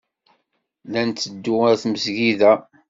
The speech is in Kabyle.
La nteddu ar tmesgida.